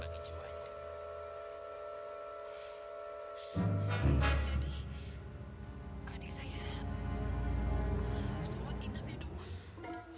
jadi adik saya harus rawat dinam ya dok